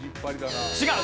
違う！